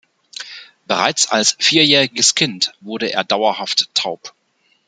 Bereits als vierjähriges Kind wurde er dauerhaft taub.